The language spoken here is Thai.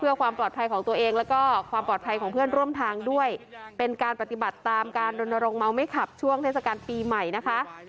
เพื่อความปลอดภัยของตัวเองแล้วก็ความปลอดภัยของเพื่อนร่วมทางด้วยเป็นการปฏิบัติตามการรณรงคเมาไม่ขับช่วงเทศกาลปีใหม่นะคะ